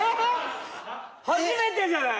初めてじゃない？